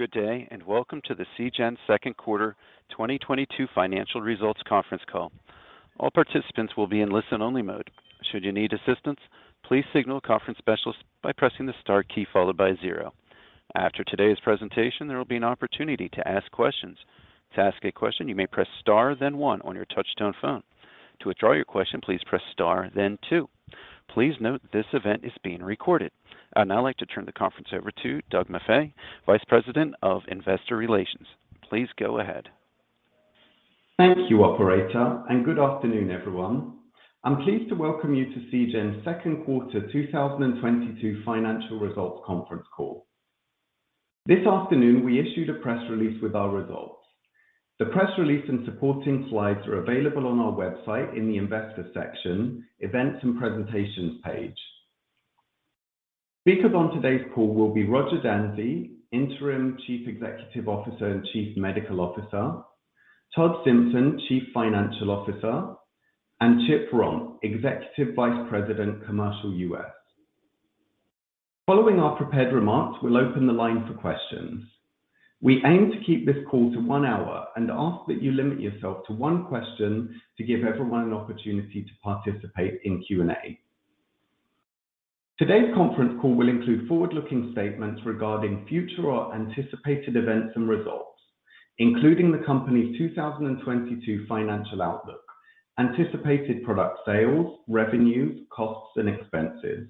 Good day, and welcome to the Seagen's Q2 2022 financial results conference call. All participants will be in listen-only mode. Should you need assistance, please signal a conference specialist by pressing the star key followed by zero. After today's presentation, there will be an opportunity to ask questions. To ask a question, you may press star then one on your touchtone phone. To withdraw your question, please press star then two. Please note this event is being recorded. I'd now like to turn the conference over to Doug Maffei, Vice President of Investor Relations. Please go ahead. Thank you, operator, and good afternoon, everyone. I'm pleased to welcome you to Seagen's Q2 2022 financial results conference call. This afternoon, we issued a press release with our results. The press release and supporting slides are available on our website in the investor section, events and presentations page. Speakers on today's call will be Roger Dansey, Interim Chief Executive Officer and Chief Medical Officer, Todd Simpson, Chief Financial Officer, and Chip Romp, Executive Vice President, Commercial US. Following our prepared remarks, we'll open the line for questions. We aim to keep this call to one hour and ask that you limit yourself to one question to give everyone an opportunity to participate in Q&A. Today's conference call will include forward-looking statements regarding future or anticipated events and results, including the company's 2022 financial outlook, anticipated product sales, revenues, costs and expenses,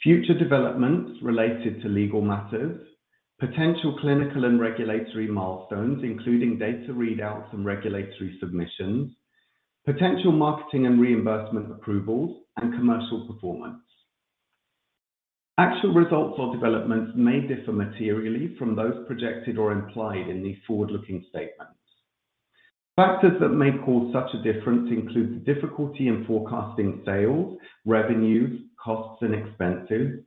future developments related to legal matters, potential clinical and regulatory milestones, including data readouts and regulatory submissions, potential marketing and reimbursement approvals, and commercial performance. Actual results or developments may differ materially from those projected or implied in these forward-looking statements. Factors that may cause such a difference include the difficulty in forecasting sales, revenues, costs and expenses,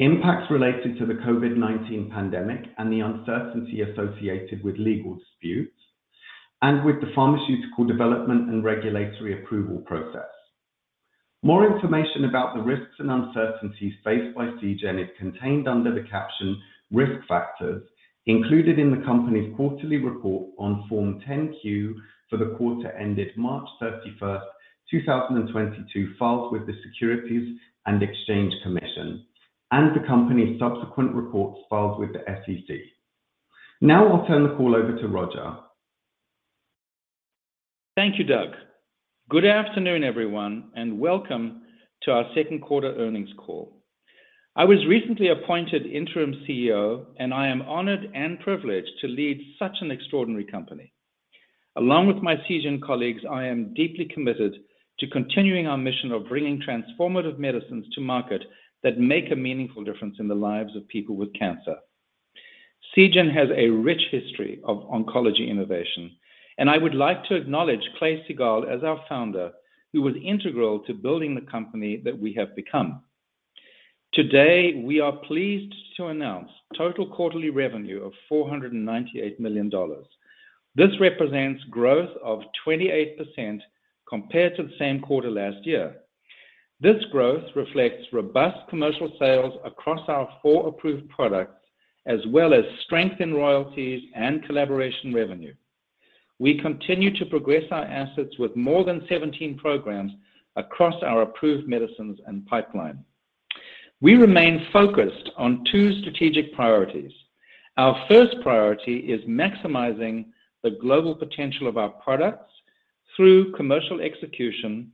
impacts related to the COVID-19 pandemic and the uncertainty associated with legal disputes, and with the pharmaceutical development and regulatory approval process. More information about the risks and uncertainties faced by Seagen is contained under the caption Risk Factors included in the company's quarterly report on Form 10-Q for the quarter ended March 31st, 2022 filed with the Securities and Exchange Commission and the company's subsequent reports filed with the SEC. Now I'll turn the call over to Roger. Thank you, Doug. Good afternoon, everyone, and welcome to our Q2 earnings call. I was recently appointed Interim CEO, and I am honored and privileged to lead such an extraordinary company. Along with my Seagen colleagues, I am deeply committed to continuing our mission of bringing transformative medicines to market that make a meaningful difference in the lives of people with cancer. Seagen has a rich history of oncology innovation, and I would like to acknowledge Clay Siegall as our founder, who was integral to building the company that we have become. Today, we are pleased to announce total quarterly revenue of $498 million. This represents growth of 28% compared to the same quarter last year. This growth reflects robust commercial sales across our four approved products, as well as strength in royalties and collaboration revenue. We continue to progress our assets with more than 17 programs across our approved medicines and pipeline. We remain focused on two strategic priorities. Our first priority is maximizing the global potential of our products through commercial execution,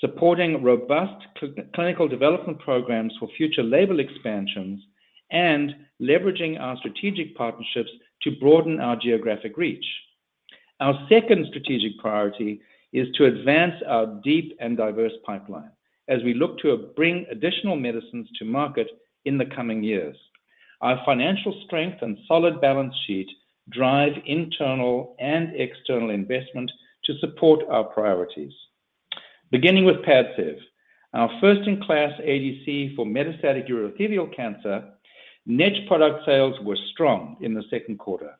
supporting robust clinical development programs for future label expansions, and leveraging our strategic partnerships to broaden our geographic reach. Our second strategic priority is to advance our deep and diverse pipeline as we look to bring additional medicines to market in the coming years. Our financial strength and solid balance sheet drive internal and external investment to support our priorities. Beginning with PADCEV, our first-in-class ADC for metastatic urothelial cancer, net product sales were strong in Q2.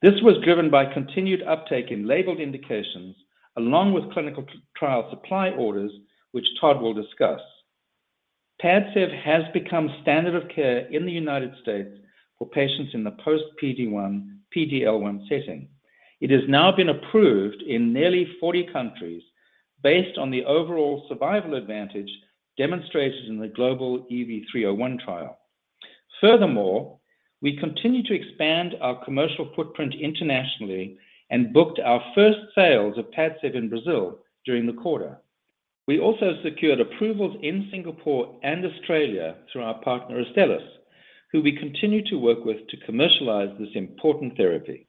This was driven by continued uptake in labeled indications along with clinical trial supply orders, which Todd will discuss. PADCEV has become standard of care in the United States for patients in the post PD-L1 setting. It has now been approved in nearly 40 countries based on the overall survival advantage demonstrated in the global EV-301 trial. Furthermore, we continue to expand our commercial footprint internationally and booked our first sales of PADCEV in Brazil during the quarter. We also secured approvals in Singapore and Australia through our partner Astellas, who we continue to work with to commercialize this important therapy.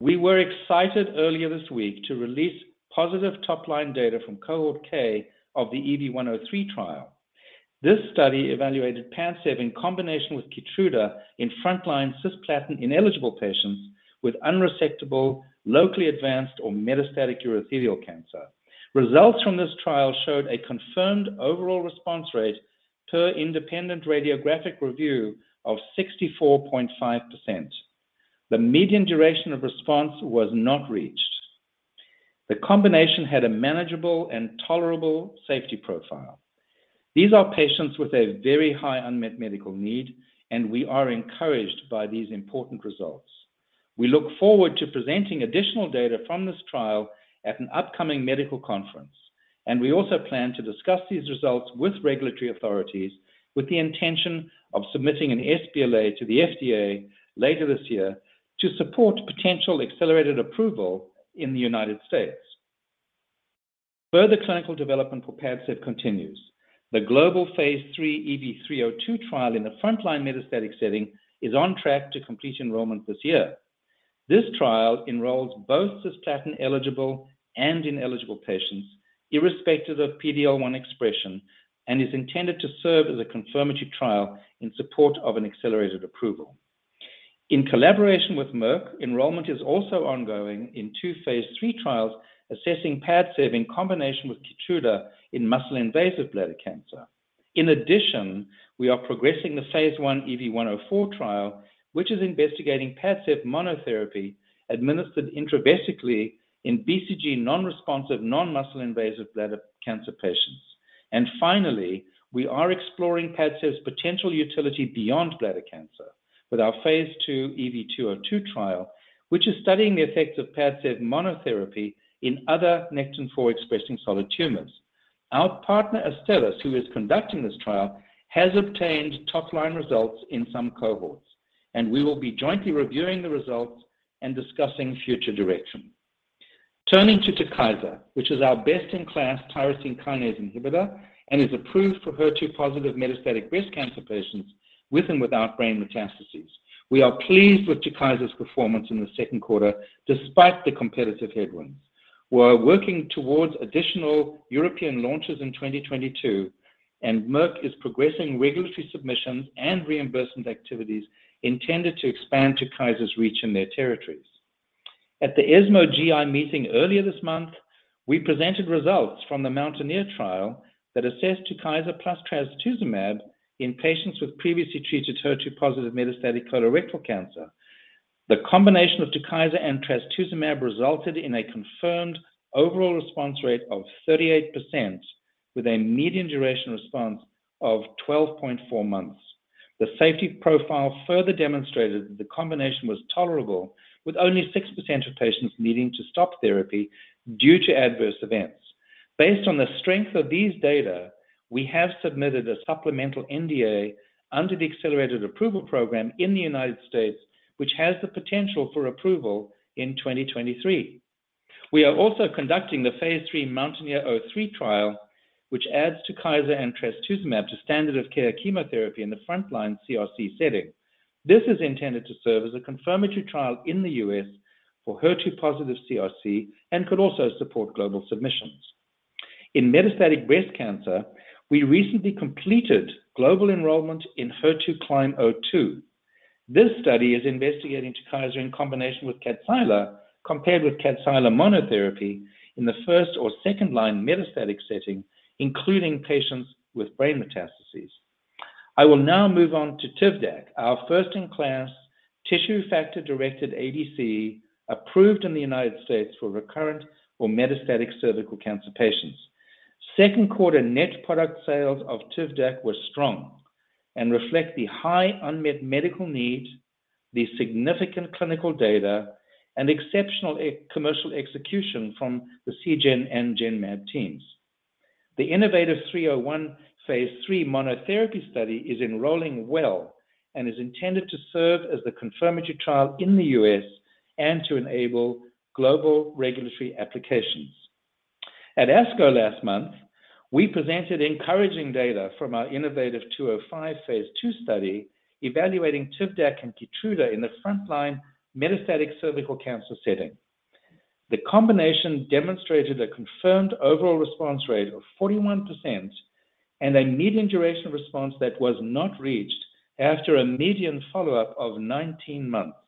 We were excited earlier this week to release positive top-line data from Cohort K of the EV-103 trial. This study evaluated PADCEV in combination with KEYTRUDA in frontline cisplatin-ineligible patients with unresectable, locally advanced or metastatic urothelial cancer. Results from this trial showed a confirmed overall response rate per independent radiographic review of 64.5%. The median duration of response was not reached. The combination had a manageable and tolerable safety profile. These are patients with a very high unmet medical need, and we are encouraged by these important results. We look forward to presenting additional data from this trial at an upcoming medical conference, and we also plan to discuss these results with regulatory authorities with the intention of submitting an sBLA to the FDA later this year to support potential accelerated approval in the United States. Further clinical development for PADCEV continues. The global phase III EV-302 trial in the frontline metastatic setting is on track to complete enrollment this year. This trial enrolls both cisplatin-eligible and ineligible patients, irrespective of PD-L1 expression, and is intended to serve as a confirmatory trial in support of an accelerated approval. In collaboration with Merck, enrollment is also ongoing in two phase III trials assessing PADCEV in combination with KEYTRUDA in muscle-invasive bladder cancer. In addition, we are progressing the phase I EV-104 trial, which is investigating PADCEV monotherapy administered intravesically in BCG non-responsive, non-muscle invasive bladder cancer patients. Finally, we are exploring PADCEV's potential utility beyond bladder cancer with our phase II EV-202 trial, which is studying the effects of PADCEV monotherapy in other Nectin-4 expressing solid tumors. Our partner Astellas, who is conducting this trial, has obtained top-line results in some cohorts, and we will be jointly reviewing the results and discussing future direction. Turning to TUKYSA, which is our best-in-class tyrosine kinase inhibitor and is approved for HER2-positive metastatic breast cancer patients with and without brain metastases. We are pleased with TUKYSA's performance in Q2 despite the competitive headwinds. We are working towards additional European launches in 2022, and Merck is progressing regulatory submissions and reimbursement activities intended to expand TUKYSA's reach in their territories. At the ESMO GI meeting earlier this month, we presented results from the MOUNTAINEER trial that assessed TUKYSA plus trastuzumab in patients with previously treated HER2-positive metastatic colorectal cancer. The combination of TUKYSA and trastuzumab resulted in a confirmed overall response rate of 38% with a median duration response of 12.4 months. The safety profile further demonstrated that the combination was tolerable with only 6% of patients needing to stop therapy due to adverse events. Based on the strength of these data, we have submitted a supplemental NDA under the accelerated approval program in the United States, which has the potential for approval in 2023. We are also conducting the phase III MOUNTAINEER-03 trial, which adds TUKYSA and trastuzumab to standard of care chemotherapy in the frontline CRC setting. This is intended to serve as a confirmatory trial in the U.S. for HER2-positive CRC and could also support global submissions. In metastatic breast cancer, we recently completed global enrollment in HER2CLIMB-02. This study is investigating TUKYSA in combination with Kadcyla compared with Kadcyla monotherapy in the first or second-line metastatic setting, including patients with brain metastases. I will now move on to TIVDAK, our first-in-class tissue factor-directed ADC approved in the United States for recurrent or metastatic cervical cancer patients. Q2 net product sales of TIVDAK were strong and reflect the high unmet medical need, the significant clinical data, and exceptional commercial execution from the Seagen and Genmab teams. The innovaTV 301 phase III monotherapy study is enrolling well and is intended to serve as the confirmatory trial in the U.S. and to enable global regulatory applications. At ASCO last month, we presented encouraging data from our innovaTV 205 phase II study evaluating TIVDAK and KEYTRUDA in the frontline metastatic cervical cancer setting. The combination demonstrated a confirmed overall response rate of 41% and a median duration of response that was not reached after a median follow-up of 19 months.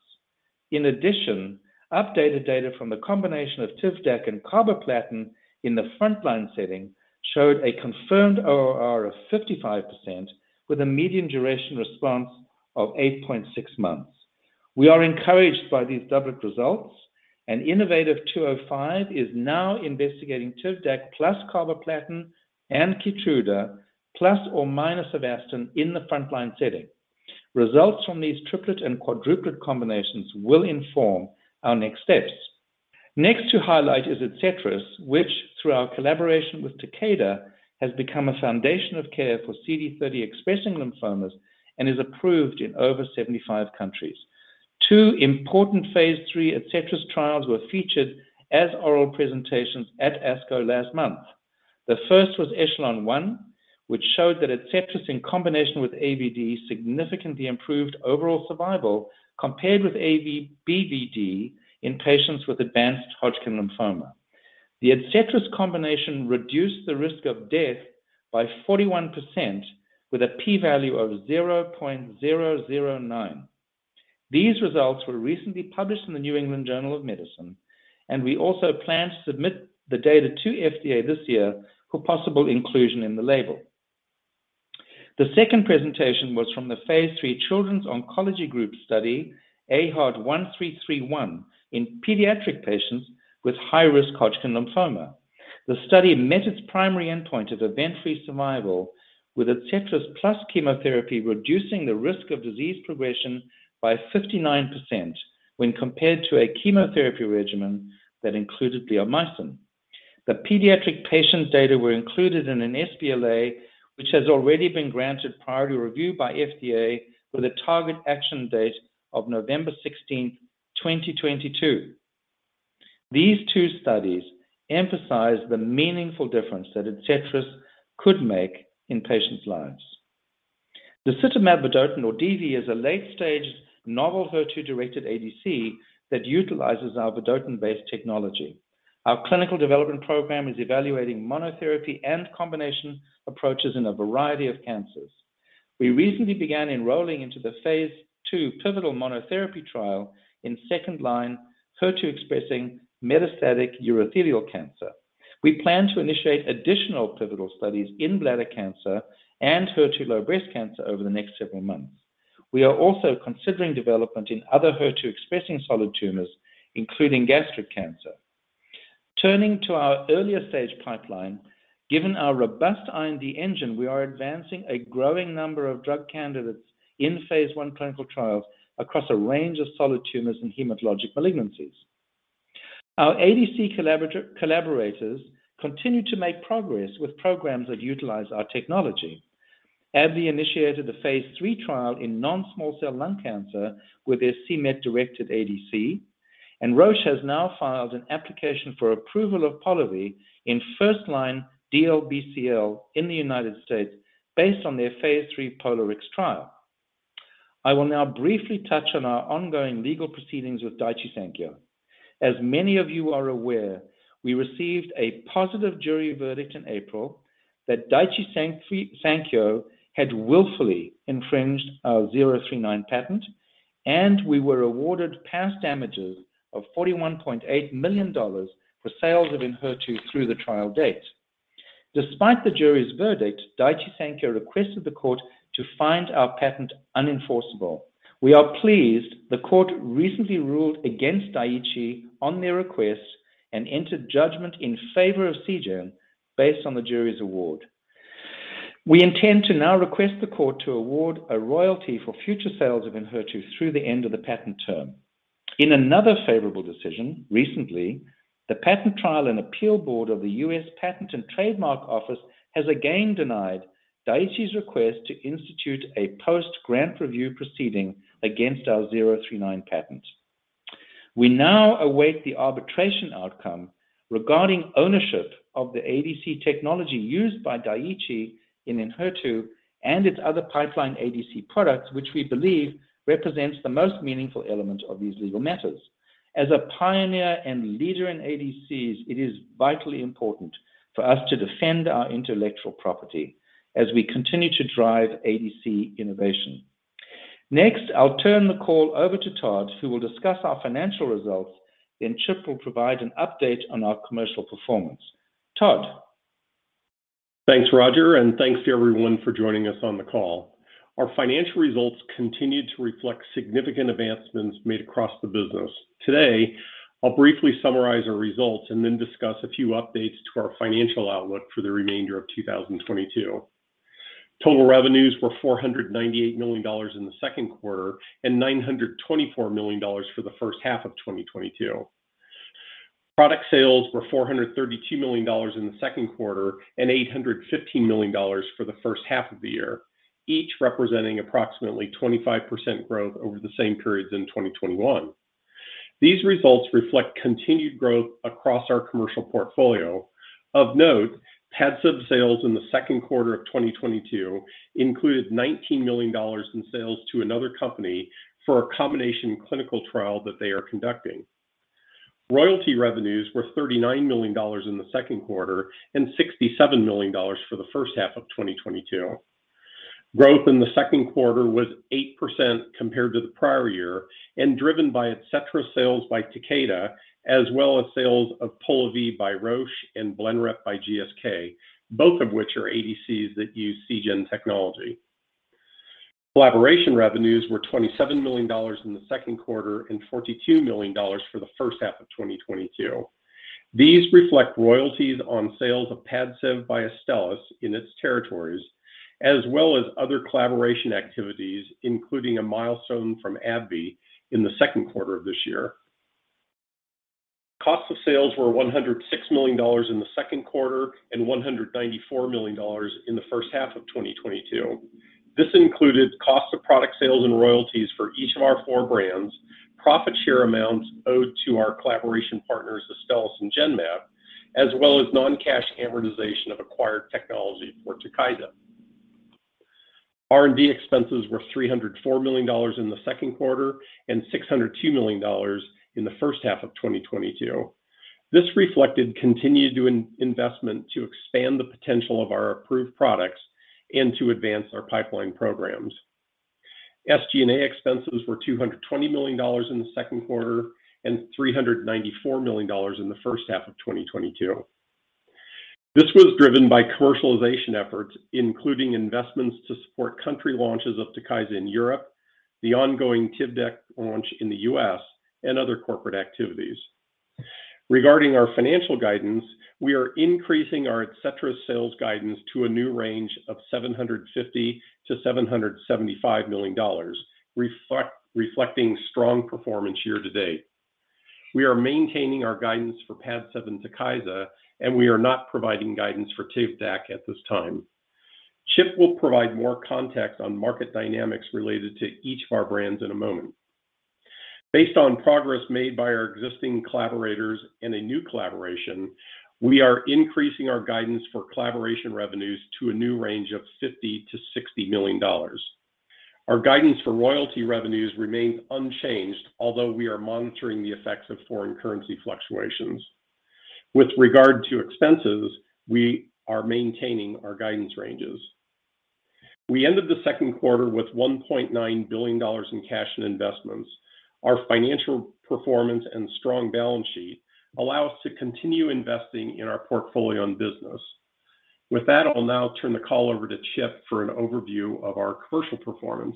In addition, updated data from the combination of TIVDAK and carboplatin in the frontline setting showed a confirmed ORR of 55% with a median duration of response of 8.6 months. We are encouraged by these doublet results, and innovaTV 205 is now investigating TIVDAK plus carboplatin and KEYTRUDA plus or minus Avastin in the frontline setting. Results from these triplet and quadruplet combinations will inform our next steps. Next to highlight is ADCETRIS, which through our collaboration with Takeda has become a foundation of care for CD30-expressing lymphomas and is approved in over 75 countries. Two important phase III ADCETRIS trials were featured as oral presentations at ASCO last month. The first was ECHELON-1, which showed that ADCETRIS in combination with AVD significantly improved overall survival compared with ABVD in patients with advanced Hodgkin lymphoma. The ADCETRIS combination reduced the risk of death by 41% with a P value of 0.009. These results were recently published in The New England Journal of Medicine, and we also plan to submit the data to FDA this year for possible inclusion in the label. The second presentation was from the phase III Children's Oncology Group study, AHOD1331, in pediatric patients with high-risk Hodgkin lymphoma. The study met its primary endpoint of event-free survival with ADCETRIS plus chemotherapy, reducing the risk of disease progression by 59% when compared to a chemotherapy regimen that included bleomycin. The pediatric patients' data were included in an sBLA, which has already been granted priority review by FDA with a target action date of November 16th, 2022. These two studies emphasize the meaningful difference that ADCETRIS could make in patients' lives. Disitamab Vedotin, or DV, is a late-stage novel HER2-directed ADC that utilizes our vedotin-based technology. Our clinical development program is evaluating monotherapy and combination approaches in a variety of cancers. We recently began enrolling into the phase II pivotal monotherapy trial in second line HER2-expressing metastatic urothelial cancer. We plan to initiate additional pivotal studies in bladder cancer and HER2 low breast cancer over the next several months. We are also considering development in other HER2-expressing solid tumors, including gastric cancer. Turning to our earlier stage pipeline, given our robust R&D engine, we are advancing a growing number of drug candidates in phase I clinical trials across a range of solid tumors and hematologic malignancies. Our ADC collaborators continue to make progress with programs that utilize our technology. AbbVie initiated the phase III trial in non-small cell lung cancer with their c-Met-directed ADC, and Roche has now filed an application for approval of Polivy in first-line DLBCL in the United States based on their phase III POLARIX trial. I will now briefly touch on our ongoing legal proceedings with Daiichi Sankyo. As many of you are aware, we received a positive jury verdict in April that Daiichi Sankyo had willfully infringed our 039 patent, and we were awarded past damages of $41.8 million for sales of Enhertu through the trial date. Despite the jury's verdict, Daiichi Sankyo requested the court to find our patent unenforceable. We are pleased the court recently ruled against Daiichi on their request and entered judgment in favor of Seagen based on the jury's award. We intend to now request the court to award a royalty for future sales of Enhertu through the end of the patent term. In another favorable decision recently, the Patent Trial and Appeal Board of the United States Patent and Trademark Office has again denied Daiichi's request to institute a post-grant review proceeding against our 039 patent. We now await the arbitration outcome regarding ownership of the ADC technology used by Daiichi in Enhertu and its other pipeline ADC products, which we believe represents the most meaningful element of these legal matters. As a pioneer and leader in ADCs, it is vitally important for us to defend our intellectual property as we continue to drive ADC innovation. Next, I'll turn the call over to Todd, who will discuss our financial results. Then Chip will provide an update on our commercial performance. Todd? Thanks, Roger, and thanks to everyone for joining us on the call. Our financial results continued to reflect significant advancements made across the business. Today, I'll briefly summarize our results and then discuss a few updates to our financial outlook for the remainder of 2022. Total revenues were $498 million in Q2 and $924 million for the first half of 2022. Product sales were $432 million in the Q2 and $815 million for the first half of the year, each representing approximately 25% growth over the same periods in 2021. These results reflect continued growth across our commercial portfolio. Of note, PADCEV sales in Q2 of 2022 included $19 million in sales to another company for a combination clinical trial that they are conducting. Royalty revenues were $39 million in Q2 and $67 million for the first half of 2022. Growth in Q2 was 8% compared to the prior year and driven by ADCETRIS sales by Takeda, as well as sales of Polivy by Roche and Blenrep by GSK, both of which are ADCs that use Seagen technology. Collaboration revenues were $27 million in Q2 and $42 million for the first half of 2022. These reflect royalties on sales of PADCEV by Astellas in its territories, as well as other collaboration activities, including a milestone from AbbVie in Q2 of this year. Cost of sales were $106 million in Q2 and $194 million for the first half of 2022. This included cost of product sales and royalties for each of our four brands, profit share amounts owed to our collaboration partners, Astellas and Genmab, as well as non-cash amortization of acquired technology for Takeda. R&D expenses were $304 million in Q2 and $602 million in the first half of 2022. This reflected continued investment to expand the potential of our approved products and to advance our pipeline programs. SG&A expenses were $220 million in Q2 and $394 million in the first half of 2022. This was driven by commercialization efforts, including investments to support country launches of TUKYSA in Europe, the ongoing TIVDAK launch in the US, and other corporate activities. Regarding our financial guidance, we are increasing our ADCETRIS sales guidance to a new range of $750 million-$775 million, reflecting strong performance year-to-date. We are maintaining our guidance for PADCEV and TUKYSA, and we are not providing guidance for TIVDAK at this time. Chip will provide more context on market dynamics related to each of our brands in a moment. Based on progress made by our existing collaborators and a new collaboration, we are increasing our guidance for collaboration revenues to a new range of $50 million-$60 million. Our guidance for royalty revenues remains unchanged, although we are monitoring the effects of foreign currency fluctuations. With regard to expenses, we are maintaining our guidance ranges. We ended Q2 with $1.9 billion in cash and investments. Our financial performance and strong balance sheet allow us to continue investing in our portfolio and business. With that, I'll now turn the call over to Chip for an overview of our commercial performance.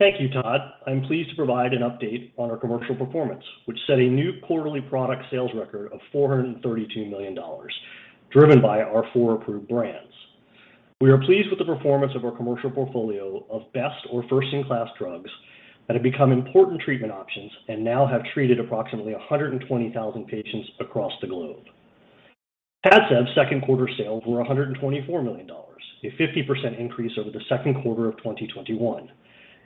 Thank you, Todd. I'm pleased to provide an update on our commercial performance, which set a new quarterly product sales record of $432 million, driven by our four approved brands. We are pleased with the performance of our commercial portfolio of best or first-in-class drugs that have become important treatment options and now have treated approximately 120,000 patients across the globe. PADCEV Q2 sales were $124 million, a 50% increase over Q2 of 2021.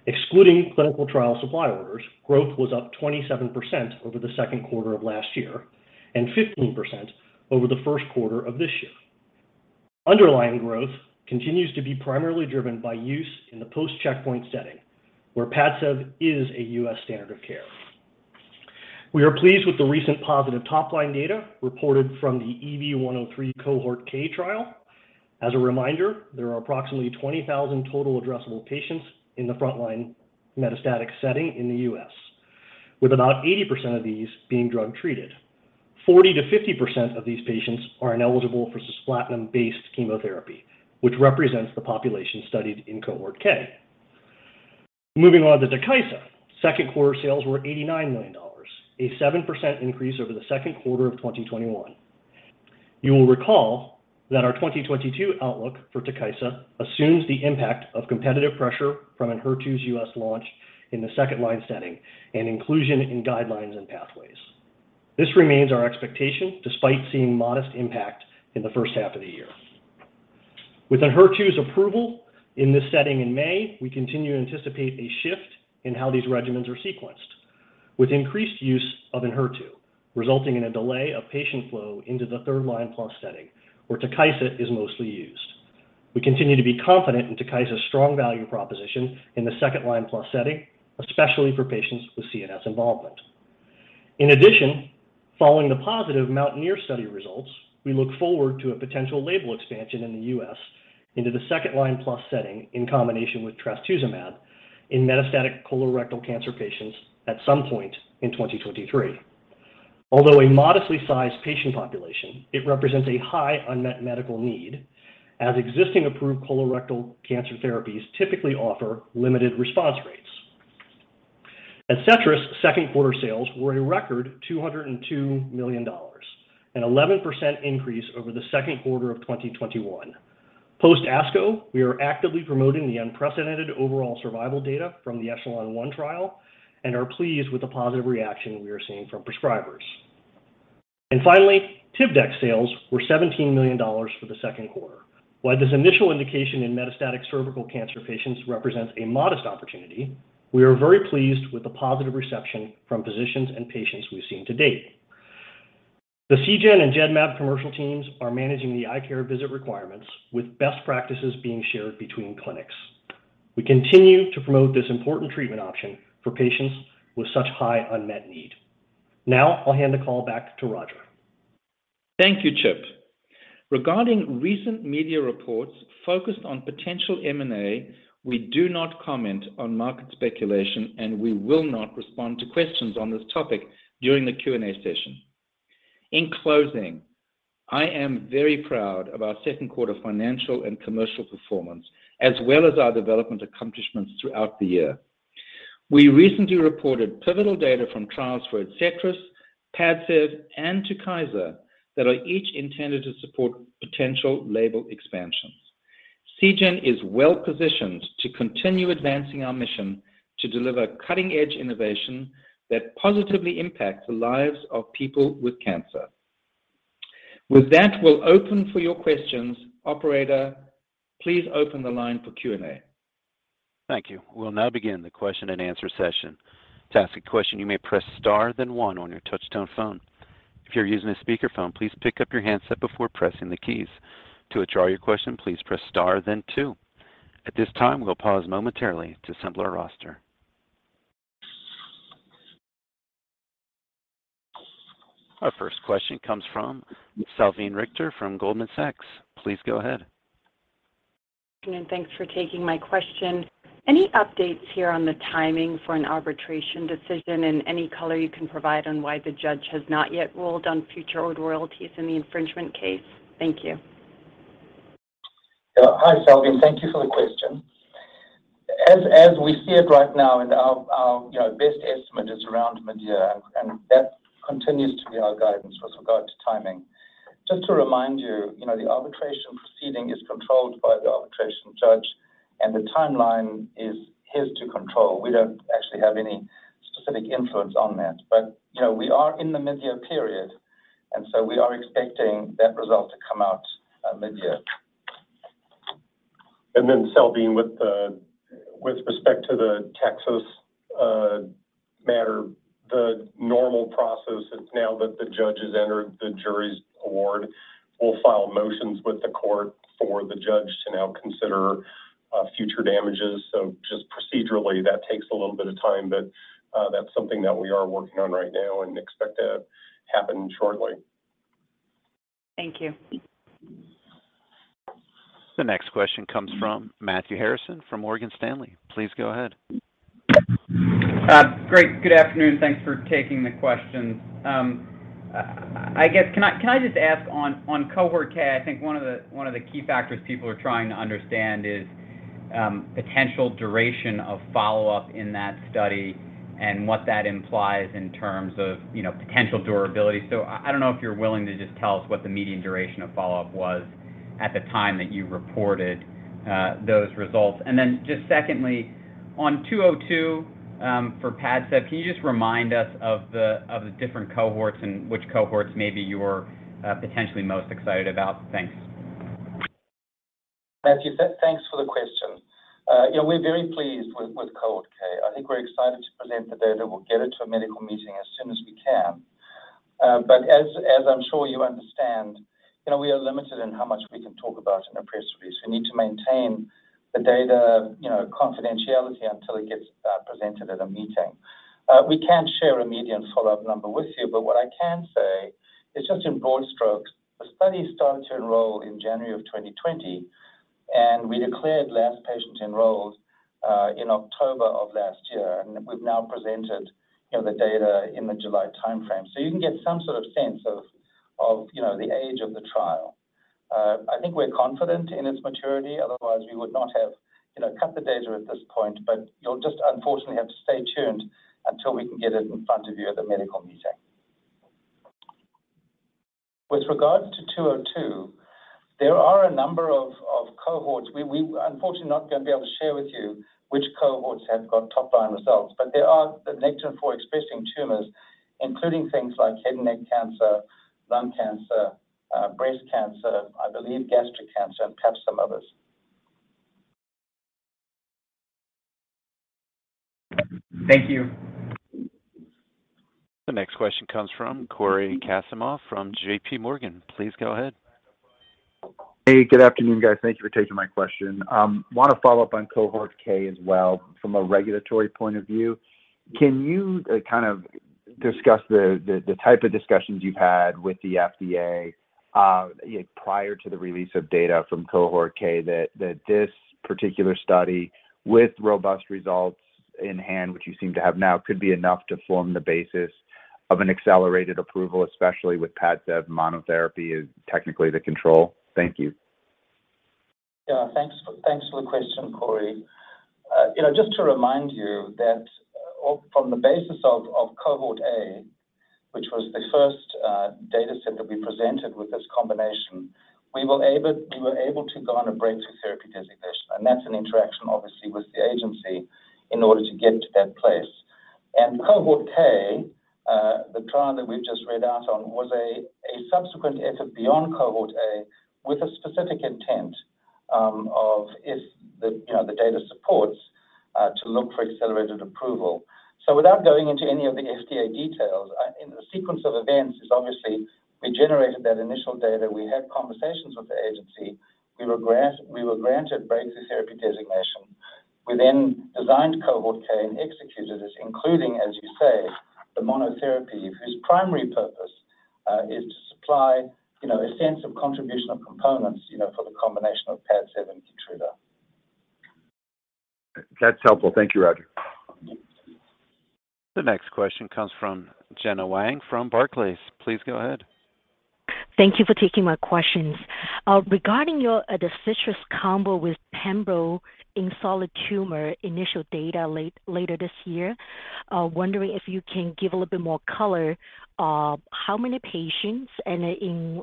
Excluding clinical trial supply orders, growth was up 27% over Q2 of last year and 15% over Q1 of this year. Underlying growth continues to be primarily driven by use in the post-checkpoint setting, where PADCEV is a U.S. standard of care. We are pleased with the recent positive top-line data reported from the EV-103 Cohort K trial. As a reminder, there are approximately 20,000 total addressable patients in the frontline metastatic setting in the U.S., with about 80% of these being drug-treated. 40%-50% of these patients are ineligible for cisplatin-based chemotherapy, which represents the population studied in Cohort K. Moving on to TUKYSA, Q2 sales were $89 million, a 7% increase over Q2 of 2021. You will recall that our 2022 outlook for TUKYSA assumes the impact of competitive pressure from Enhertu’s U.S. launch in the second line setting and inclusion in guidelines and pathways. This remains our expectation despite seeing modest impact in the first half of the year. With Enhertu's approval in this setting in May, we continue to anticipate a shift in how these regimens are sequenced, with increased use of Enhertu resulting in a delay of patient flow into the third-line plus setting, where TUKYSA is mostly used. We continue to be confident in TUKYSA's strong value proposition in the second-line plus setting, especially for patients with CNS involvement. In addition, following the positive MOUNTAINEER study results, we look forward to a potential label expansion in the U.S. into the second line plus setting in combination with trastuzumab in metastatic colorectal cancer patients at some point in 2023. Although a modestly sized patient population, it represents a high unmet medical need as existing approved colorectal cancer therapies typically offer limited response rates. ADCETRIS's Q2 sales were a record $202 million, an 11% increase over Q2 of 2021. Post ASCO, we are actively promoting the unprecedented overall survival data from the ECHELON-1 trial and are pleased with the positive reaction we are seeing from prescribers. Finally, TIVDAK sales were $17 million for Q2. While this initial indication in metastatic cervical cancer patients represents a modest opportunity, we are very pleased with the positive reception from physicians and patients we've seen to date. The Seagen and Genmab commercial teams are managing the eye care visit requirements with best practices being shared between clinics. We continue to promote this important treatment option for patients with such high unmet need. Now, I'll hand the call back to Roger. Thank you, Chip. Regarding recent media reports focused on potential M&A, we do not comment on market speculation, and we will not respond to questions on this topic during the Q&A session. In closing, I am very proud of our Q2 financial and commercial performance, as well as our development accomplishments throughout the year. We recently reported pivotal data from trials for ADCETRIS, PADCEV, and TUKYSA that are each intended to support potential label expansions. Seagen is well-positioned to continue advancing our mission to deliver cutting-edge innovation that positively impacts the lives of people with cancer. With that, we'll open for your questions. Operator, please open the line for Q&A. Thank you. We'll now begin the question and answer session. To ask a question, you may press star then one on your touchtone phone. If you're using a speakerphone, please pick up your handset before pressing the keys. To withdraw your question, please press star then two. At this time, we'll pause momentarily to assemble our roster. Our first question comes from Salveen Richter from Goldman Sachs. Please go ahead. Thanks for taking my question. Any updates here on the timing for an arbitration decision and any color you can provide on why the judge has not yet ruled on future old royalties in the infringement case? Thank you. Hi, Salveen. Thank you for the question. As we see it right now and our best estimate is around midyear, and that continues to be our guidance with regard to timing. Just to remind, the arbitration proceeding is controlled by the arbitration judge, and the timeline is his to control. We don't actually have any specific influence on that. We are in the midyear period, and so we are expecting that result to come out midyear. Salveen, with respect to the Texas matter, the normal process is now that the judge has entered the jury's award. We'll file motions with the court for the judge to now consider future damages. Just procedurally, that takes a little bit of time, but that's something that we are working on right now and expect to happen shortly. Thank you. The next question comes from Matthew Harrison from Morgan Stanley. Please go ahead. Great. Good afternoon. Thanks for taking the question. Can I just ask on Cohort K? I think one of the key factors people are trying to understand is potential duration of follow-up in that study and what that implies in terms of potential durability. I don't know if you're willing to just tell us what the median duration of follow-up was at the time that you reported those results. Then just secondly, on 202, for PADCEV, can you just remind us of the different cohorts and which cohorts maybe you're potentially most excited about? Thanks. Matthew, thanks for the question. We're very pleased with Cohort K. I think we're excited to present the data. We'll get it to a medical meeting as soon as we can. As I'm sure you understand, we are limited in how much we can talk about in a press release. We need to maintain the data confidentiality until it gets presented at a meeting. We can't share a median follow-up number with you, but what I can say is just in broad strokes, the study started to enroll in January of 2020, and we declared last patient enrolled in October of last year, and we've now presented the data in the July timeframe. You can get some sort of sense of the age of the trial. I think we're confident in its maturity. Otherwise, we would not have cut the data at this point. You'll just unfortunately have to stay tuned until we can get it in front of you at the medical meeting. With regards to EV-202, there are a number of cohorts. We unfortunately not going to be able to share with you which cohorts have got top-line results, but there are the Nectin-4 expressing tumors, including things like head and neck cancer, lung cancer, breast cancer, I believe gastric cancer, and perhaps some others. Thank you. The next question comes from Cory Kasimov from JP Morgan. Please go ahead. Hey, good afternoon, guys. Thank you for taking my question. Want to follow up on Cohort K as well from a regulatory point of view. Can you discuss the type of discussions you've had with the FDA prior to the release of data from Cohort K that this particular study with robust results in hand, which you seem to have now, could be enough to form the basis of an accelerated approval, especially with PADCEV monotherapy is technically the control? Thank you. Thanks for the question, Cory. Just to remind you that from the basis of Cohort A, which was the first data set that we presented with this combination, we were able to go on a breakthrough therapy designation, and that's an interaction obviously with the agency in order to get to that place. Cohort K, the trial that we've just read out on was a subsequent assay beyond Cohort A with a specific intent of if the data supports to look for accelerated approval. Without going into any of the FDA details, the sequence of events is obviously we generated that initial data. We had conversations with the agency. We were granted breakthrough therapy designation. We designed Cohort K and executed this including, as you say, the monotherapy whose primary purpose is to supply a sense of contribution of components for the combination of PADCEV and KEYTRUDA. That's helpful. Thank you, Roger. The next question comes from Gena Wang from Barclays. Please go ahead. Thank you for taking my questions. Regarding your the SEA-TGT combo with pembro in solid tumor initial data later this year, wondering if you can give a little bit more color on how many patients and in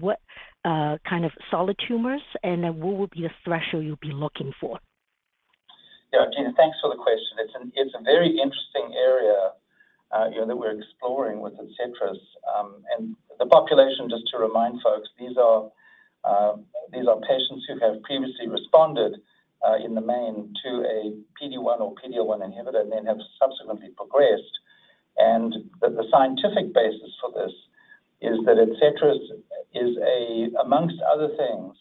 what kind of solid tumors and then what would be the threshold you'll be looking for? Gena, thanks for the question. It's a very interesting area that we're exploring with ADCETRIS. The population, just to remind folks, these are patients who have previously responded, in the main to a PD-1 or PD-L1 inhibitor and then have subsequently progressed. The scientific basis for this is that ADCETRIS is amongst other things,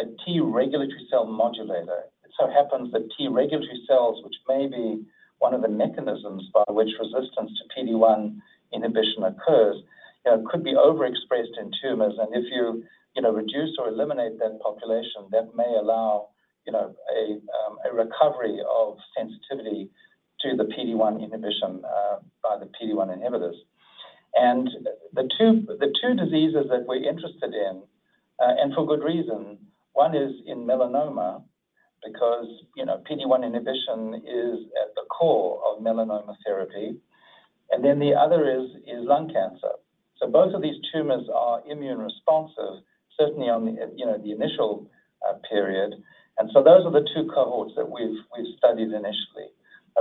a T regulatory cell modulator. It so happens that T regulatory cells, which may be one of the mechanisms by which resistance to PD-1 inhibition occurs, could be overexpressed in tumors. If you reduce or eliminate that population, that may allow a recovery of sensitivity to the PD-1 inhibition, by the PD-1 inhibitors. The two diseases that we're interested in, and for good reason, one is in melanoma because PD-1 inhibition is at the core of melanoma therapy, and then the other is lung cancer. Both of these tumors are immune responsive, certainly on the initial period. Those are the two cohorts that we've studied initially.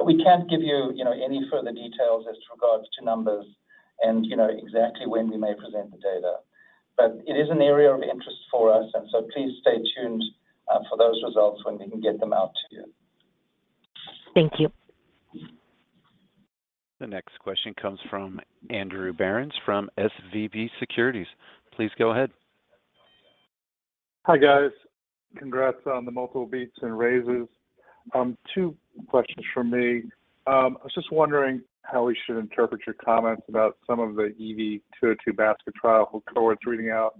We can't give any further details as regards to numbers and exactly when we may present the data. It is an area of interest for us, and so please stay tuned for those results when we can get them out to you. Thank you. The next question comes from Andrew Berens from SVB Securities. Please go ahead. Hi, guys. Congrats on the multiple beats and raises. Two questions from me. I was just wondering how we should interpret your comments about some of the EV-202 basket trial cohorts reading out,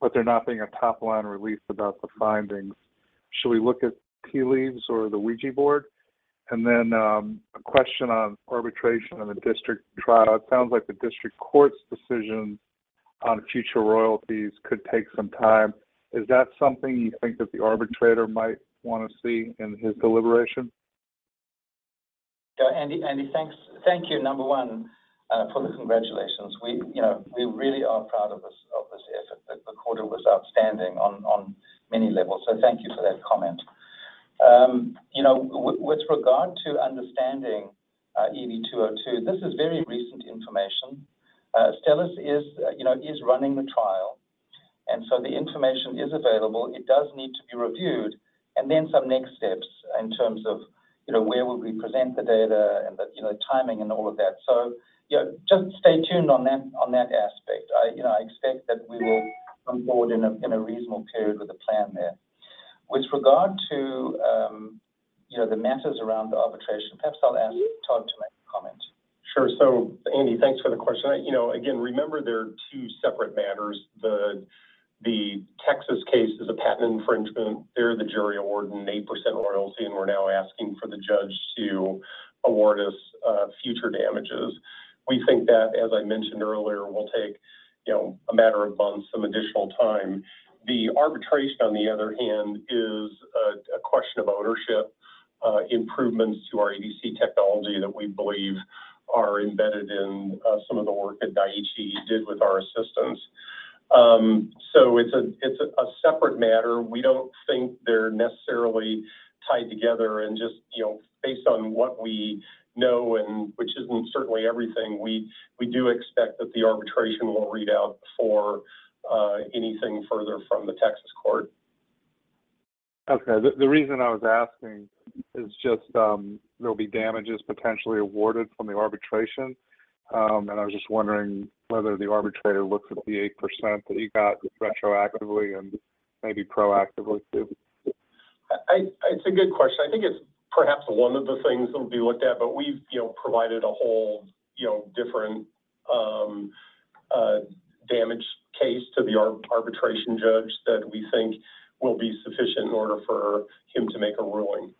but there not being a top line release about the findings. Should we look at tea leaves or the Ouija board? A question on arbitration and the district trial. It sounds like the district court's decision on future royalties could take some time. Is that something you think that the arbitrator might want to see in his deliberation? Andy, thanks. Thank you, number one, for the congratulations. We really are proud of this effort. The quarter was outstanding on many levels, so thank you for that comment. With regard to understanding EV-202, this is very recent information. Astellas is running the trial, and the information is available. It does need to be reviewed. Some next steps in terms of where will we present the data and the timing and all of that. Just stay tuned on that aspect. I expect that we will come forward in a reasonable period with a plan there. With regard to the matters around the arbitration, perhaps I'll ask Todd to make a comment. Sure. Andy, thanks for the question. Again, remember they're two separate matters. The Texas case is a patent infringement. There the jury award and 8% royalty, and we're now asking for the judge to award us future damages. We think that, as I mentioned earlier, will take a matter of months, some additional time. The arbitration on the other hand is a question of ownership, improvements to our ADC technology that we believe are embedded in some of the work that Daiichi Sankyo did with our assistance. It's a separate matter. We don't think they're necessarily tied together and just based on what we know and which isn't certainly everything, we do expect that the arbitration will read out before anything further from the Texas court. Okay. The reason I was asking is just there'll be damages potentially awarded from the arbitration, and I was just wondering whether the arbitrator looks at the 8% that he got retroactively and maybe proactively too. It's a good question. I think it's perhaps one of the things that will be looked at, but we've provided a whole different damage case to the arbitration judge that we think will be sufficient in order for him to make a ruling.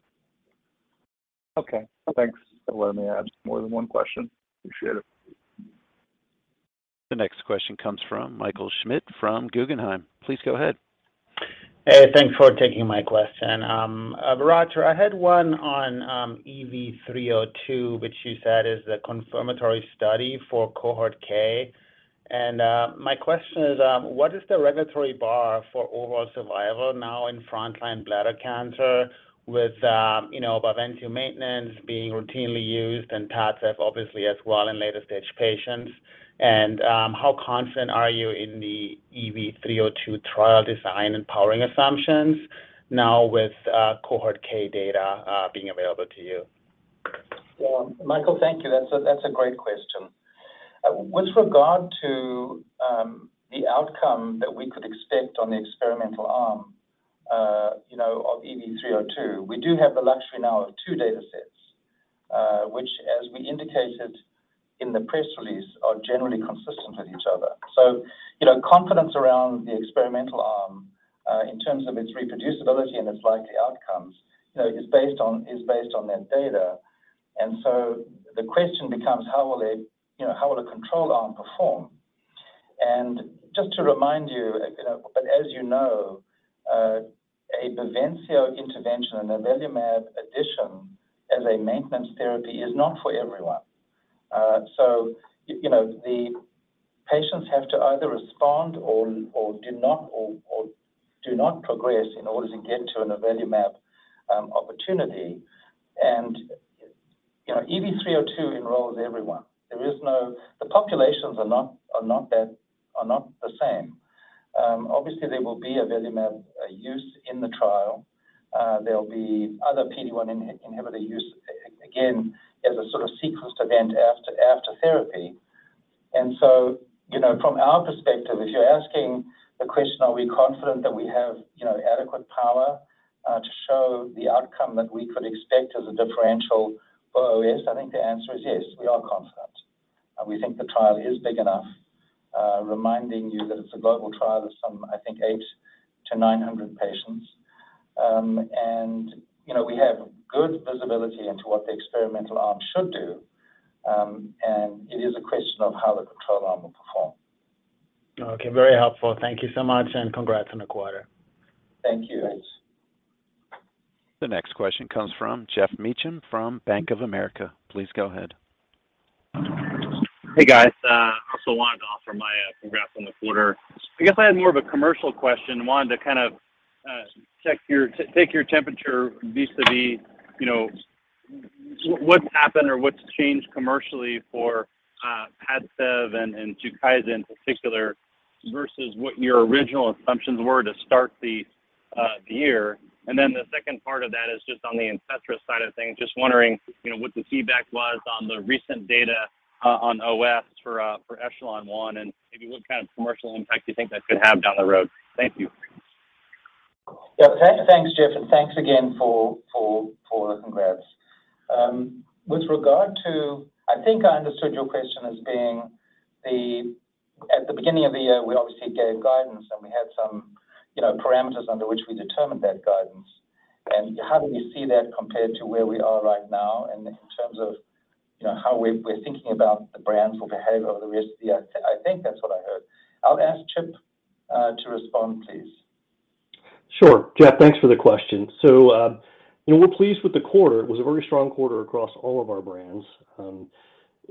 Okay, thanks. They'll let me ask more than one question. Appreciate it. The next question comes from Michael Schmidt from Guggenheim. Please go ahead. Hey, thanks for taking my question. Roger, I had one on EV-302, which you said is the confirmatory study for Cohort K. My question is, what is the regulatory bar for overall survival now in frontline bladder cancer with Bavencio maintenance being routinely used and Taxotere obviously as well in later stage patients? How confident are you in the EV-302 trial design and powering assumptions now with Cohort K data being available to you? Well, Michael, thank you. That's a great question. With regard to the outcome that we could expect on the experimental arm of EV-302, we do have the luxury now of two data sets, which as we indicated in the press release, are generally consistent with each other. Confidence around the experimental arm in terms of its reproducibility and its likely outcomes is based on that data. The question becomes how will a control arm perform? Just to remind you, but as you know, a Bavencio intervention and avelumab addition as a maintenance therapy is not for everyone. The patients have to either respond or do not progress in order to get to an avelumab opportunity. EV-302 enrolls everyone. The populations are not the same. Obviously, there will be avelumab use in the trial. There'll be other PD-1 inhibitor use, again, as a sort of sequenced event after therapy. From our perspective, if you're asking the question, are we confident that we have adequate power to show the outcome that we could expect as a differential for OS? I think the answer is yes, we are confident. We think the trial is big enough, reminding you that it's a global trial of some, I think 800-900 patients. We have good visibility into what the experimental arm should do, and it is a question of how the control arm will perform. Okay. Very helpful. Thank you so much, and congrats on the quarter. Thank you. The next question comes from Geoff Meacham from Bank of America. Please go ahead. Hey, guys. I also wanted to offer my congrats on the quarter. I had more of a commercial question. Wanted to check your temperature vis-à-vis, what's happened or what's changed commercially for PADCEV and TUKYSA in particular versus what your original assumptions were to start the year. The second part of that is just on the ADCETRIS side of things, just wondering what the feedback was on the recent data on OS for ECHELON-1 and maybe what commercial impact you think that could have down the road. Thank you. Yes, thanks. Thanks, Geoff, and thanks again for the congrats. With regard to, I think I understood your question as being, at the beginning of the year, we obviously gave guidance and we had some parameters under which we determined that guidance. How do we see that compared to where we are right now and in terms of how we're thinking about the brands will behave over the rest of the year. I think that's what I heard. I'll ask Chip to respond, please. Sure. Geoff, thanks for the question. We're pleased with the quarter. It was a very strong quarter across all of our brands.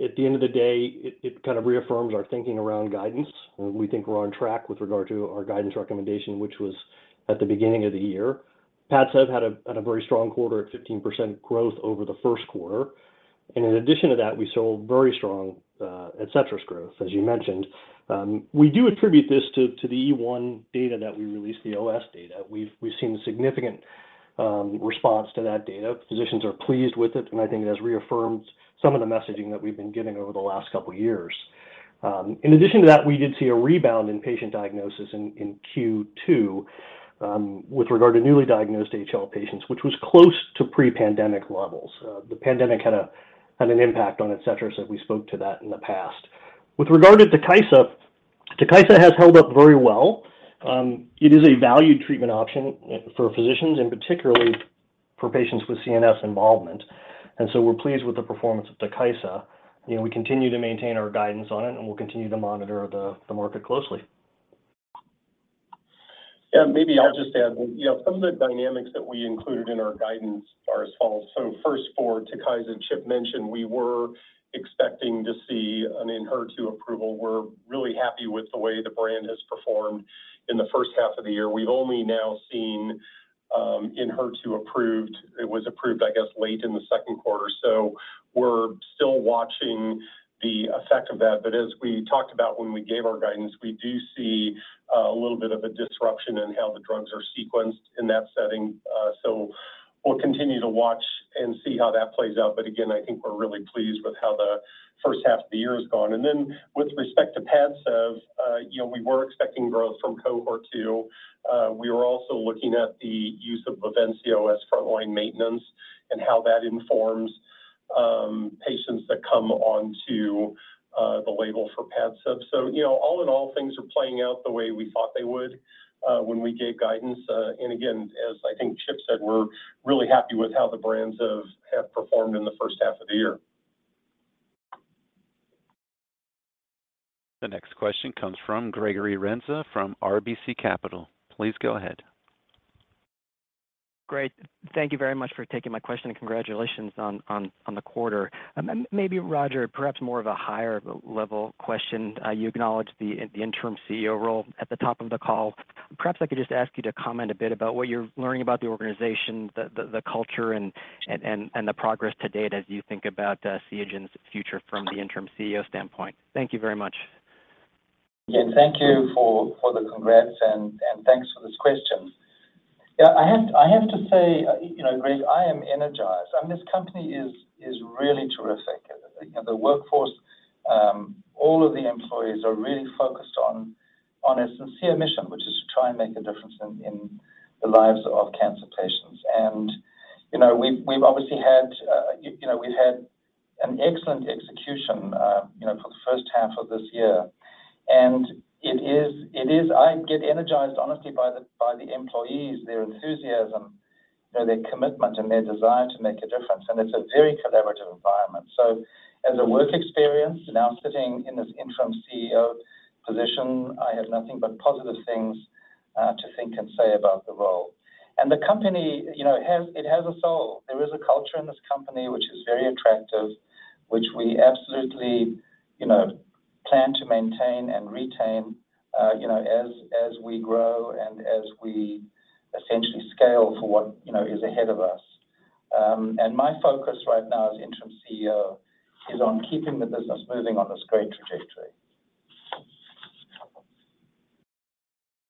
At the end of the day, it reaffirms our thinking around guidance. We think we're on track with regard to our guidance recommendation, which was at the beginning of the year. PADCEV had a very strong quarter at 15% growth over Q1. In addition to that, we saw very strong ADCETRIS growth, as you mentioned. We do attribute this to the E1 data that we released the OS data. We've seen a significant response to that data. Physicians are pleased with it, and I think it has reaffirmed some of the messaging that we've been giving over the last couple of years. In addition to that, we did see a rebound in patient diagnosis in Q2 with regard to newly diagnosed HL patients, which was close to pre-pandemic levels. The pandemic had an impact on ADCETRIS, and we spoke to that in the past. With regard to TUKYSA, TUKYSA has held up very well. It is a valued treatment option for physicians and particularly for patients with CNS involvement. We're pleased with the performance of TUKYSA. We continue to maintain our guidance on it, and we'll continue to monitor the market closely. Yes, maybe I'll just add, some of the dynamics that we included in our guidance are as follows. First for TUKYSA, Chip mentioned we were expecting to see an Enhertu approval. We're really happy with the way the brand has performed in the first half of the year. We've only now seen Enhertu approved. It was approved late in Q2. We're still watching the effect of that. As we talked about when we gave our guidance, we do see a little bit of a disruption in how the drugs are sequenced in that setting. We'll continue to watch and see how that plays out. Again, I think we're really pleased with how the first half of the year has gone. With respect to PADCEV, we were expecting growth from Cohort Q. We were also looking at the use of Bavencio as frontline maintenance and how that informs patients that come onto the label for PADCEV. All in all, things are playing out the way we thought they would when we gave guidance. Again, as I think Chip said, we're really happy with how the brands have performed in the first half of the year. The next question comes from Gregory Renza from RBC Capital. Please go ahead. Great. Thank you very much for taking my question, and congratulations on the quarter. Maybe Roger, perhaps more of a higher-level question. You acknowledged the interim CEO role at the top of the call. Perhaps I could just ask you to comment a bit about what you're learning about the organization, the culture and the progress to date as you think about Seagen's future from the interim CEO standpoint. Thank you very much. Yes. Thank you for the congrats and thanks for this question. I have to say, Greg, I am energized. This company is really terrific. The workforce, all of the employees are really focused on a sincere mission, which is to try and make a difference in the lives of cancer patients. We've obviously had an excellent execution for the first half of this year. I get energized honestly by the employees, their enthusiasm, their commitment, and their desire to make a difference, and it's a very collaborative environment. As a work experience, now sitting in this interim CEO position, I have nothing but positive things to think and say about the role. The company has a soul. There is a culture in this company which is very attractive, which we absolutely, plan to maintain and retain as we grow and as we essentially scale for what is ahead of us. My focus right now as interim CEO is on keeping the business moving on this great trajectory.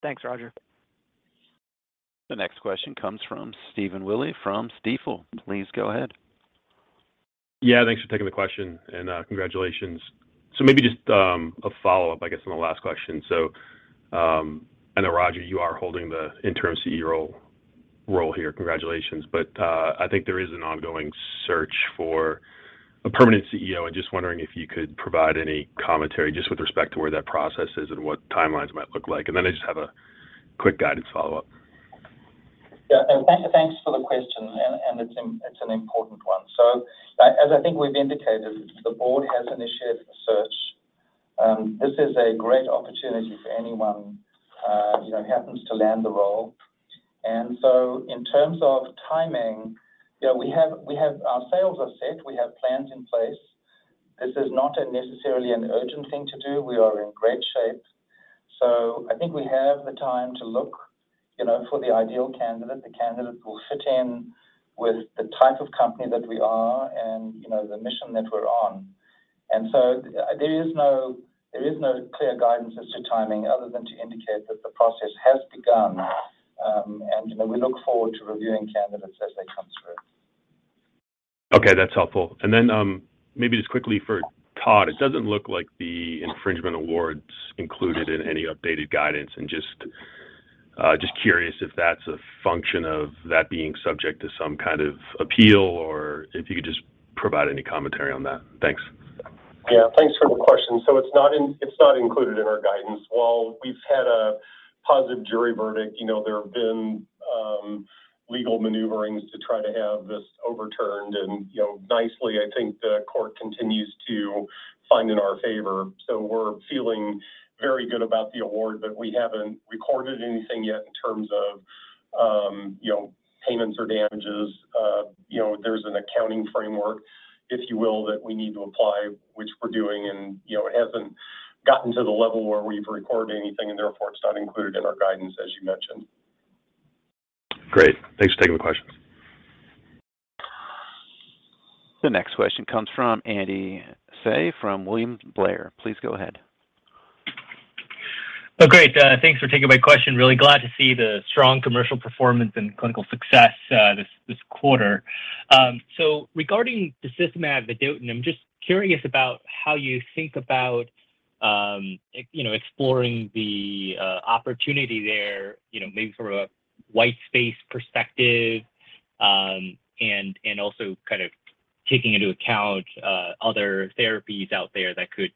Thanks, Roger. The next question comes from Stephen Willey from Stifel. Please go ahead. Yes, thanks for taking the question and congratulations. Maybe just a follow-up on the last question. I know, Roger, you are holding the interim CEO role here. Congratulations. I think there is an ongoing search for a permanent CEO, and just wondering if you could provide any commentary just with respect to where that process is and what timelines might look like. Then I just have a quick guidance follow-up. Thanks for the question, and it's an important one. As I think we've indicated, the board has initiated a search. This is a great opportunity for anyone happens to land the role. In terms of timing, our sales are set, we have plans in place. This is not necessarily an urgent thing to do. We are in great shape. I think we have the time to look for the ideal candidate. The candidate will fit in with the type of company that we are and the mission that we're on. There is no clear guidance as to timing other than to indicate that the process has begun. We look forward to reviewing candidates as they come through. Okay, that's helpful. Maybe just quickly for Todd, it doesn't look like the infringement award's included in any updated guidance, and just curious if that's a function of that being subject to some appeal or if you could just provide any commentary on that. Thanks. Yes, thanks for the question. It's not included in our guidance. While we've had a positive jury verdict, there have been legal maneuverings to try to have this overturned and nicely, I think the court continues to find in our favor. We're feeling very good about the award, but we haven't recorded anything yet in terms of payments or damages. There's an accounting framework, if you will, that we need to apply, which we're doing and it hasn't gotten to the level where we've recorded anything, and therefore it's not included in our guidance, as you mentioned. Great. Thanks for taking the question. The next question comes from Andy Hsieh from William Blair. Please go ahead. Great. Thanks for taking my question. Really glad to see the strong commercial performance and clinical success this quarter. Regarding docetaxel and vedotin, I'm just curious about how you think about exploring the opportunity there maybe from a white space perspective, and also taking into account other therapies out there that could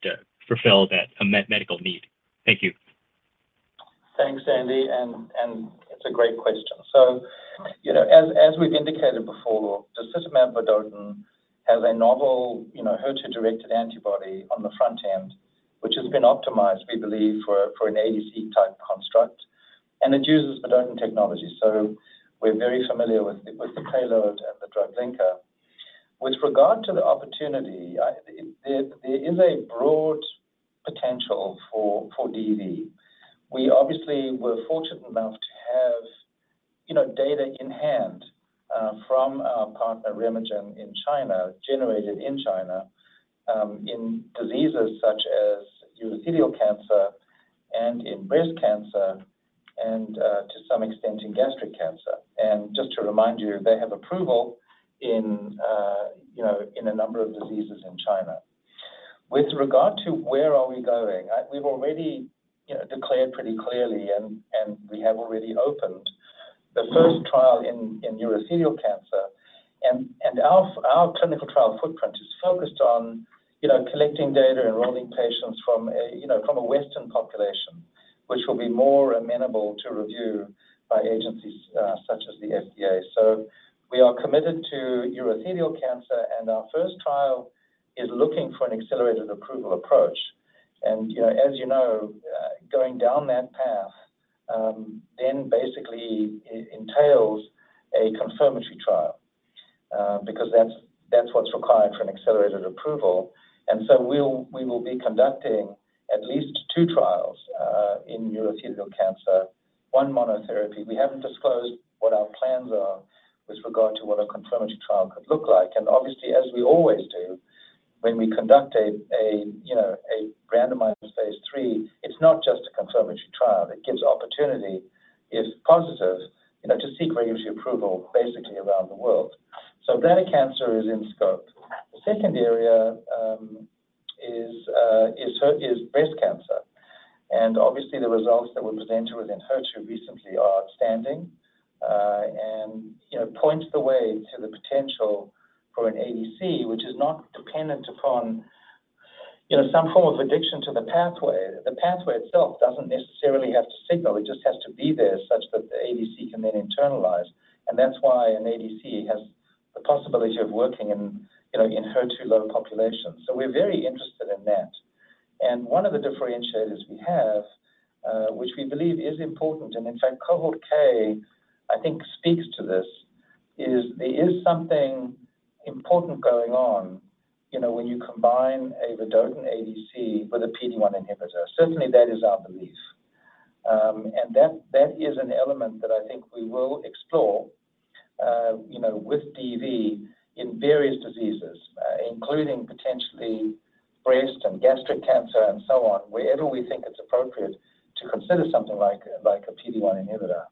fulfill that some medical need. Thank you. Thanks, Andy. It's a great question. As we've indicated before, Disitamab Vedotin has a novel HER2-directed antibody on the front end, which has been optimized, we believe, for an ADC-type construct, and it uses vedotin technology. We're very familiar with the payload and the drug linker. With regard to the opportunity, there is a broad potential for DV. We obviously were fortunate enough to have data in hand from our partner RemeGen in China, generated in China, in diseases such as urothelial cancer and in breast cancer and to some extent in gastric cancer. Just to remind you, they have approval in a number of diseases in China. With regard to where are we going, we've already declared pretty clearly and we have already opened the first trial in urothelial cancer. Our clinical trial footprint is focused on collecting data, enrolling patients from a Western population, which will be more amenable to review by agencies such as the FDA. We are committed to urothelial cancer, and our first trial is looking for an accelerated approval approach. As you know, going down that path, then basically entails a confirmatory trial because that's what's required for an accelerated approval. We will be conducting at least two trials in urothelial cancer, one monotherapy. We haven't disclosed what our plans are with regard to what a confirmatory trial could look like. Obviously, as we always do when we conduct a randomized phase III, it's not just a confirmatory trial. It gives opportunity, if positive, to seek regulatory approval basically around the world. Bladder cancer is in scope. The second area is breast cancer. Obviously, the results that were presented within HER2 recently are outstanding, and point the way to the potential for an ADC, which is not dependent upon some form of addiction to the pathway. The pathway itself doesn't necessarily have to signal. It just has to be there such that the ADC can then internalize. That's why an ADC has the possibility of working in HER2-low populations. We're very interested in that. One of the differentiators we have, which we believe is important, and in fact, Cohort K, I think speaks to this, is there is something important going on when you combine a vedotin ADC with a PD-1 inhibitor. Certainly that is our belief. That is an element that I think we will explore with DV in various diseases, including potentially breast and gastric cancer and so on, wherever we think it's appropriate to consider something like a PD-1 inhibitor.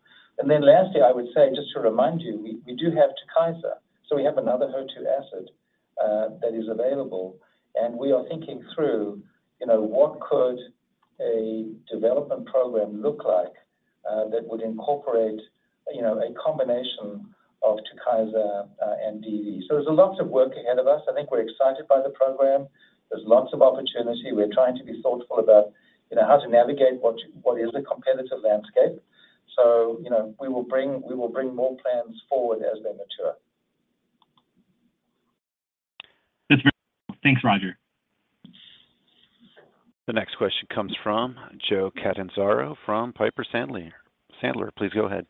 Then lastly, I would say, just to remind you, we do have TUKYSA, so we have another HER2 asset that is available, and we are thinking through what could a development program look like that would incorporate a combination of TUKYSA and DV. There's a lot of work ahead of us. I think we're excited by the program. There's lots of opportunity. We are trying to be thoughtful about how to navigate what is the competitive landscape. We will bring more plans forward as they mature. Thanks, Roger. The next question comes from Joe Catanzaro from Piper Sandler. Please go ahead.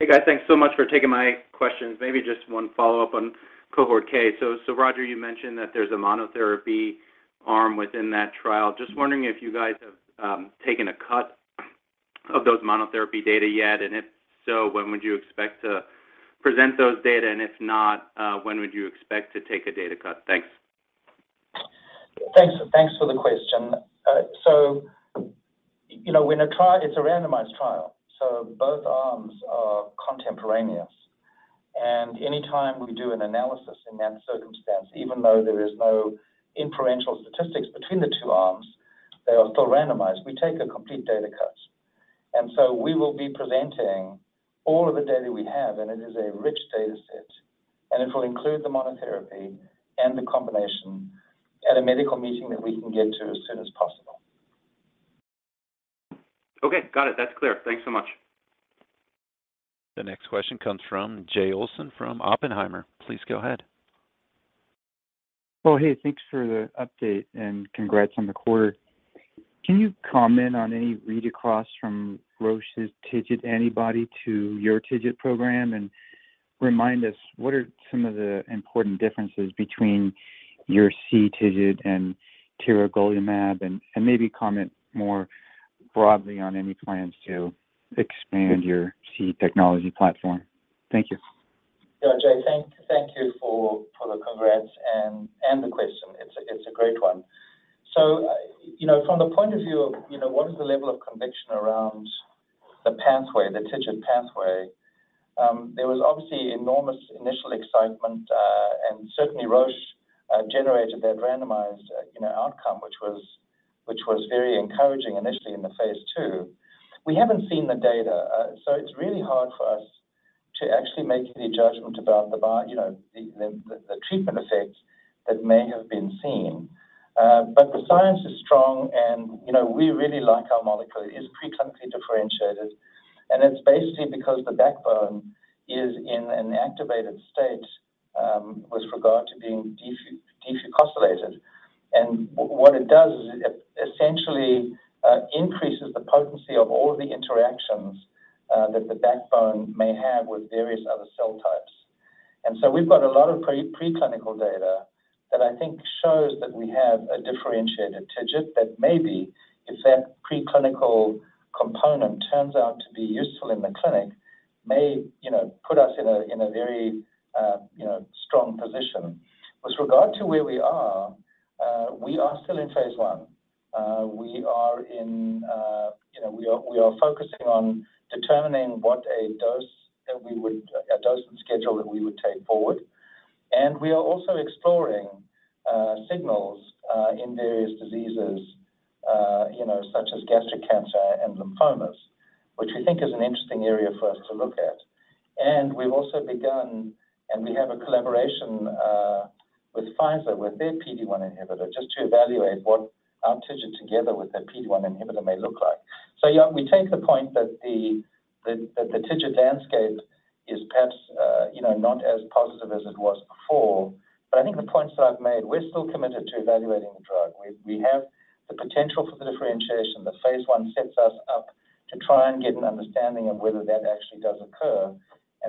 Hey guys. Thanks so much for taking my questions. Maybe just one follow-up on Cohort K. Roger, you mentioned that there's a monotherapy arm within that trial. Just wondering if you guys have taken a cut of those monotherapy data yet, and if so, when would you expect to present those data? If not, when would you expect to take a data cut? Thanks. Thanks for the question. It's a randomized trial, so both arms are contemporaneous, and anytime we do an analysis in that circumstance, even though there is no interim analysis between the two arms, they are still randomized. We take a complete data cut, and so we will be presenting all of the data we have, and it is a rich data set, and it'll include the monotherapy and the combination at a medical meeting that we can get to as soon as possible. Okay. Got it. That's clear. Thanks so much. The next question comes from Jay Olson from Oppenheimer. Please go ahead. Oh, hey. Thanks for the update and congrats on the quarter. Can you comment on any read across from Roche's TIGIT antibody to your TIGIT program and remind us what are some of the important differences between your TIGIT and tiragolumab and maybe comment more broadly on any plans to expand your TIGIT technology platform? Thank you. Jay, thank you for the congrats and the question. It's a great one. From the point of view of what is the level of conviction around the TIGIT pathway, there was obviously enormous initial excitement, and certainly Roche generated that randomized outcome, which was very encouraging initially in the phase II. We haven't seen the data. It's really hard for us to actually make any judgment about the bar, the treatment effects that may have been seen. The science is strong and we really like our molecule. It is pre-clinically differentiated and it's basically because the backbone is in an activated state with regard to being defucosylated. What it does is it essentially increases the potency of all of the interactions that the backbone may have with various other cell types. We've got a lot of preclinical data that I think shows that we have a differentiated TIGIT that maybe if that preclinical component turns out to be useful in the clinic, may put us in a very strong position. With regard to where we are, we are still in phase I. We are focusing on determining what a dose that we would, a dosing schedule that we would take forward. We are also exploring signals in various diseases such as gastric cancer and lymphomas, which we think is an interesting area for us to look at. We've also begun and we have a collaboration with Pfizer, with their PD-1 inhibitor, just to evaluate what our TIGIT together with their PD-1 inhibitor may look like. We take the point that the TIGIT landscape is perhaps not as positive as it was before, but I think the points that I've made, we're still committed to evaluating the drug. We have the potential for the differentiation. The phase I sets us up to try and get an understanding of whether that actually does occur.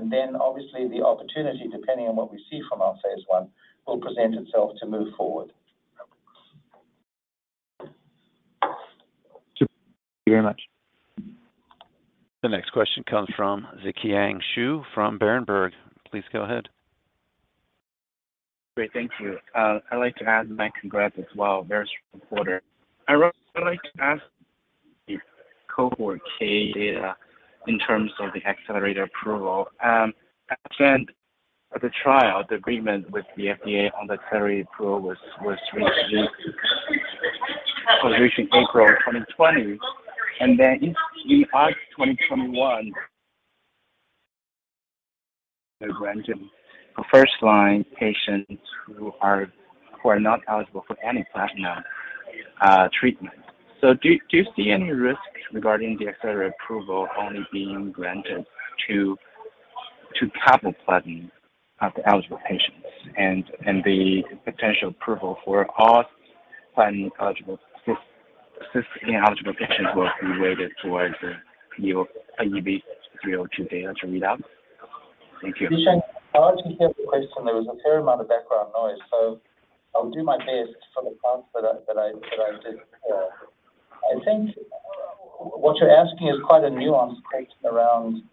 Then obviously the opportunity, depending on what we see from our phase I, will present itself to move forward. Thank you very much. The next question comes from Ziqiang Xu from Berenberg. Please go ahead. Great. Thank you. I'd like to add my congrats as well. Very strong quarter. I'd like to ask you Cohort K data in terms of the accelerated approval, at the end of the trial, the agreement with the FDA on the accelerated approval was reached in April of 2020. In August 2021, the grant for first line patients who are not eligible for any platinum treatment. Do you see any risks regarding the accelerated approval only being granted to platinum eligible patients and the potential approval for all platinum eligible, cisplatin eligible patients will be weighted towards the EV-302 data readout? Thank you. Ziqiang, I hardly heard the question. There was a fair amount of background noise, so I'll do my best to sort of answer that I did hear. I think what you're asking is quite a nuanced question around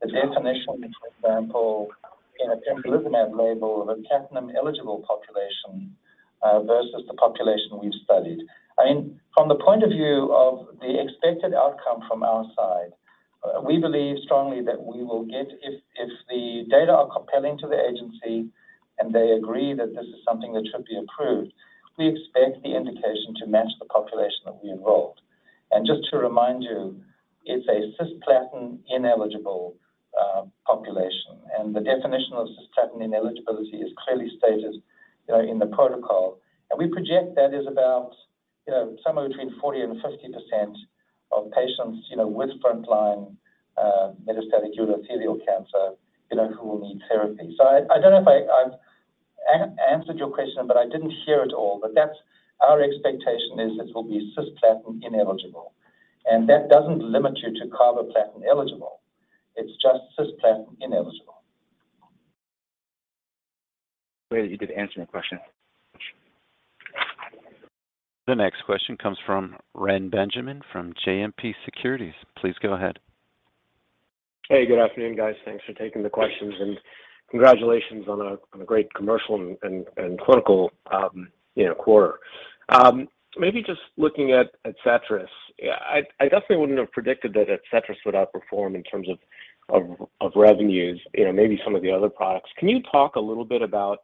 the definition, for example, in a frontline label of a platinum-eligible population, versus the population we've studied. From the point of view of the expected outcome from our side, we believe strongly that we will get if the data are compelling to the agency and they agree that this is something that should be approved. We expect the indication to match the population that we enrolled. Just to remind you, it's a cisplatin-ineligible population, and the definition of cisplatin ineligibility is clearly stated in the protocol. We project that is about somewhere between 40% and 50% of patients with frontline metastatic urothelial cancer who will need therapy. I don't know if I've answered your question, but I didn't hear it all. That's our expectation is this will be cisplatin ineligible. That doesn't limit you to carboplatin eligible. It's just cisplatin ineligible. Great. You did answer my question. The next question comes from Reni Benjamin from JMP Securities. Please go ahead. Hey, good afternoon, guys. Thanks for taking the questions and congratulations on a great commercial and clinical quarter. Maybe just looking at ADCETRIS. I definitely wouldn't have predicted that ADCETRIS would outperform in terms of revenues maybe some of the other products. Can you talk a little bit about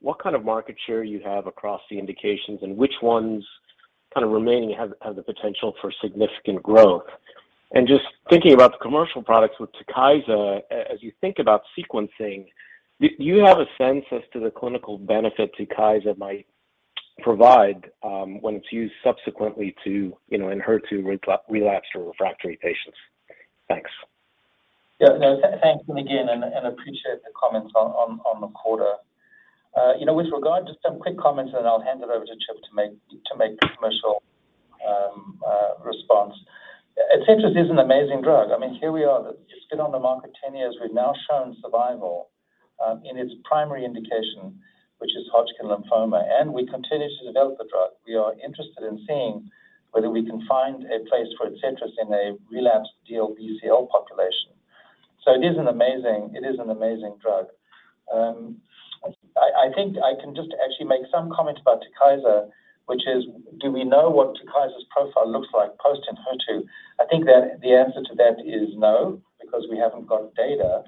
what kind of market share you have across the indications and which one is remaining have the potential for significant growth? Just thinking about the commercial products with TUKYSA, as you think about sequencing, do you have a sense as to the clinical benefit TUKYSA might provide, when it's used subsequently in HER2 relapsed or refractory patients? Thanks. Yes, thanks again and appreciate the comments on the quarter. With regard to some quick comments, and then I'll hand it over to Chip to make the commercial response. ADCETRIS is an amazing drug. Here we are. It's been on the market 10 years. We've now shown survival in its primary indication, which is Hodgkin lymphoma, and we continue to develop the drug. We are interested in seeing whether we can find a place for ADCETRIS in a relapsed DLBCL population. It is an amazing drug. I think I can just actually make some comment about TUKYSA, which is, do we know what TUKYSA's profile looks like post in HER2? I think that the answer to that is no, because we haven't got data.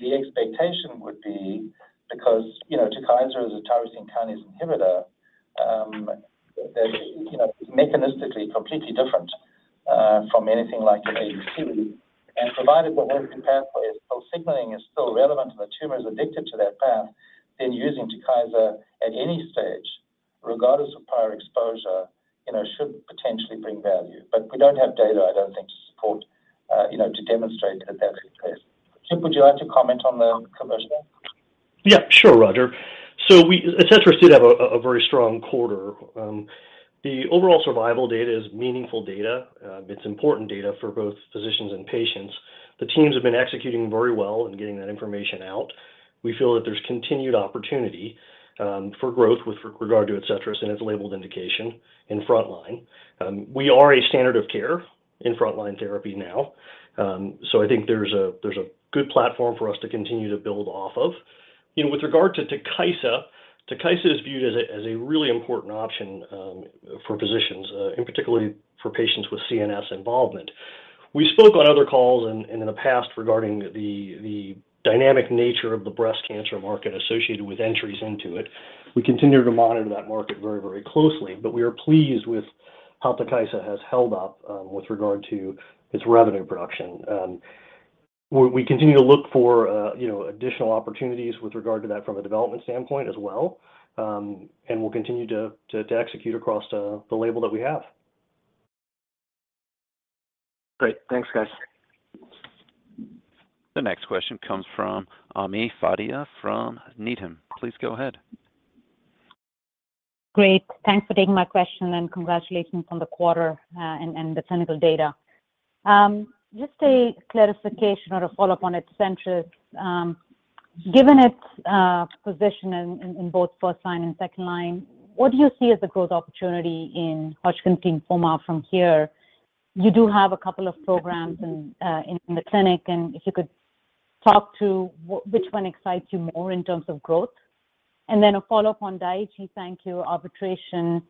The expectation would be because TUKYSA is a tyrosine kinase inhibitor, that mechanistically completely different from anything like ADC. Provided that when compared for its cell signaling is still relevant and the tumor is addicted to that path, then using TUKYSA at any stage, regardless of prior exposure should potentially bring value. We don't have data, I don't think, to support or to demonstrate that that's the case. Chip, would you like to comment on the commercial? Yes, sure, Roger. ADCETRIS did have a very strong quarter. The overall survival data is meaningful data. It's important data for both physicians and patients. The teams have been executing very well in getting that information out. We feel that there's continued opportunity for growth with regard to ADCETRIS and its labeled indication in frontline. We are a standard of care in frontline therapy now. I think there's a good platform for us to continue to build off of. With regard to TUKYSA is viewed as a really important option for physicians, particularly for patients with CNS involvement. We spoke on other calls in the past regarding the dynamic nature of the breast cancer market associated with entries into it. We continue to monitor that market very, very closely, but we are pleased with how ADCETRIS has held up with regard to its revenue production. We continue to look for additional opportunities with regard to that from a development standpoint as well. We'll continue to execute across the label that we have. Great. Thanks, guys. The next question comes from Ami Fadia from Needham. Please go ahead. Great. Thanks for taking my question and congratulations on the quarter and the clinical data. Just a clarification or a follow-up on ADCETRIS. Given its position in both first line and second line, what do you see as the growth opportunity in Hodgkin lymphoma from here? You do have a couple of programs in the clinic, and if you could talk to which one excites you more in terms of growth. Then a follow-up on Daiichi Sankyo arbitration.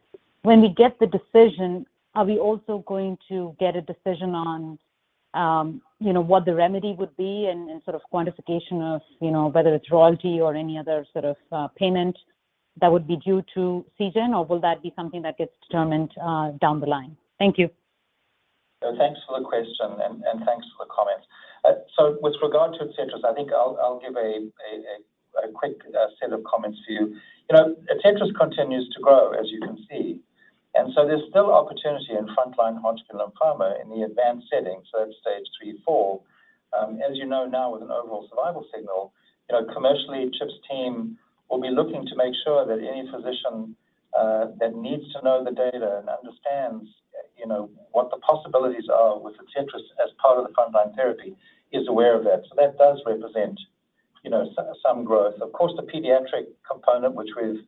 When we get the decision, are we also going to get a decision on what the remedy would be and sort of quantification of whether it's royalty or any other sort of payment that would be due to Seagen, or will that be something that gets determined down the line? Thank you. Thanks for the question and thanks for the comments. With regard to ADCETRIS, I think I'll give a quick set of comments to you. ADCETRIS continues to grow, as you can see. There's still opportunity in frontline Hodgkin lymphoma in the advanced setting, so that's stage 3 and 4. As you know now with an overall survival signal, commercially, Chip's team will be looking to make sure that any physician that needs to know the data and understands what the possibilities are with ADCETRIS as part of the frontline therapy is aware of that. That does represent some growth. Of course, the pediatric component, which we've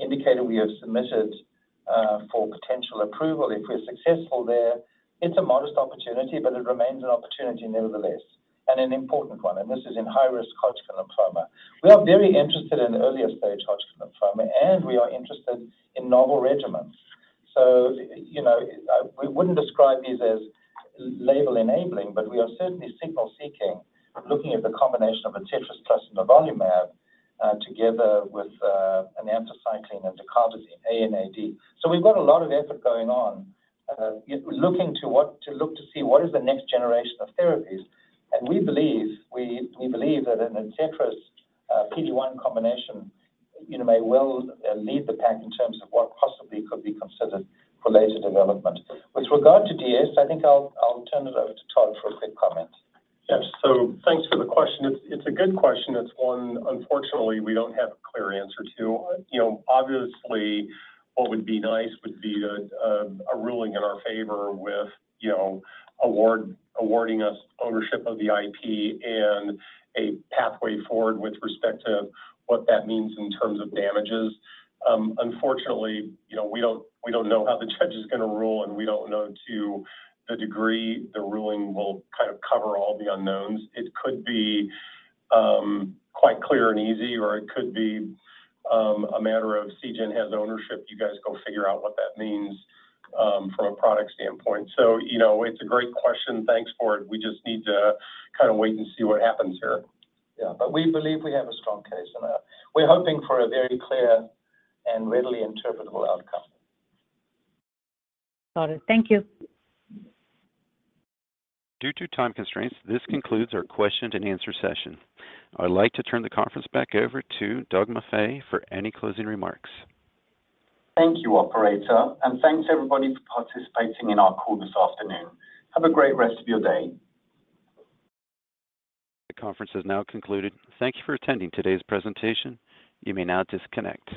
indicated we have submitted, for potential approval. If we're successful there, it's a modest opportunity, but it remains an opportunity nevertheless, and an important one. This is in high-risk Hodgkin lymphoma. We are very interested in earlier-stage Hodgkin lymphoma, and we are interested in novel regimens. We wouldn't describe these as label enabling, but we are certainly signal seeking, looking at the combination of ADCETRIS plus nivolumab together with an anthracycline and dacarbazine, A and AD. We've got a lot of effort going on, looking to see what is the next generation of therapies. We believe that an ADCETRIS PD-1 combination may well lead the pack in terms of what possibly could be considered for later development. With regard to DS, I think I'll turn it over to Todd for a quick comment. Yes. Thanks for the question. It's a good question. It's one unfortunately we don't have a clear answer to. Obviously, what would be nice would be a ruling in our favor with awarding us ownership of the IP and a pathway forward with respect to what that means in terms of damages. Unfortunately, we don't know how the judge is going to rule, and we don't know to the degree the ruling will cover all the unknowns. It could be quite clear and easy, or it could be a matter of Seagen has ownership, you guys go figure out what that means from a product standpoint. It's a great question. Thanks for it. We just need to wait and see what happens here. Yes. We believe we have a strong case, and we are hoping for a very clear and readily interpretable outcome. Got it. Thank you. Due to time constraints, this concludes our question and answer session. I'd like to turn the conference back over to Douglas Maffei for any closing remarks. Thank you, operator, and thanks everybody for participating in our call this afternoon. Have a great rest of your day. The conference is now concluded. Thank you for attending today's presentation. You may now disconnect.